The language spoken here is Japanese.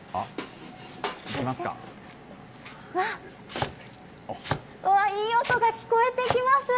わっ、いい音が聞こえてきます。